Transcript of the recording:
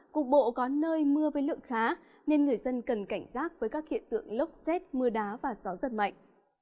cục bộ có nơi mưa với lượng khá nên người dân cần cảnh giác với các hiện tượng lốc xét mưa đá và gió giật mạnh